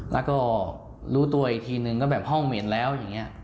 แล้วก็รู้ตัวอีกทีนึงก็แบบห้องเหม็นแล้วอย่างนี้